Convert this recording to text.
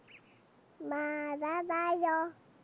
まだだよ。